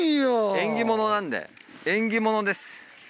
縁起物なんで縁起物です。